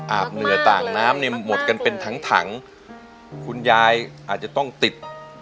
เหนือต่างน้ำเนี่ยหมดกันเป็นทั้งถังคุณยายอาจจะต้องติด